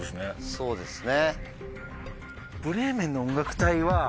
そうですね。